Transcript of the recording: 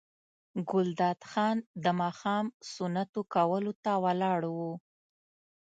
ګلداد خان د ماښام سنتو کولو ته ولاړ و.